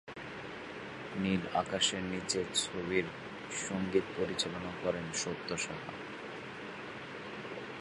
নীল আকাশের নিচে ছবির সংগীত পরিচালনা করেন সত্য সাহা।